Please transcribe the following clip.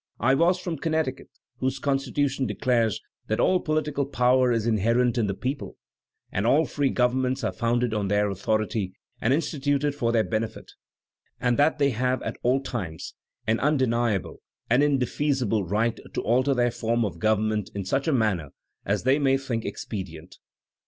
I was from Connecticut, whose Constitution declares 'that ail poUtical power is inherent in the people, and all free govern ments are founded on their authority and instituted for their benefit; and that they have at aU times an undeniable and indefeasible right to alter their Jorm of govemmeni in such a manner as they may think expedient.'